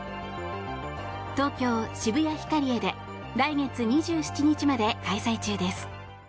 東京・渋谷ヒカリエで来月２７日まで開催中です。